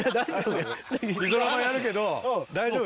リゾラバやるけど大丈夫？